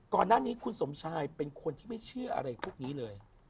ก่อนหน้านี้คุณสมชายเป็นคนที่ไม่เชื่ออะไรพวกนี้เลย